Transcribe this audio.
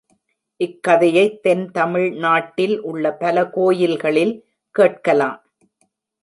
இக்கதையைத் தென் தமிழ் நாட்டில் உள்ள பல கோயில்களில் கேட்கலாம்.